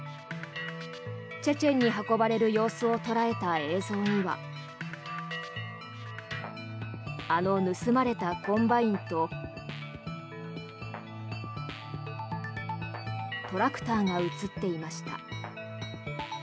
チェチェンに運ばれる様子を捉えた映像にはあの盗まれたコンバインとトラクターが映っていました。